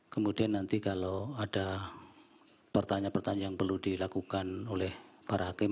kemudian nanti kalau ada pertanyaan pertanyaan yang perlu dilakukan oleh para hakim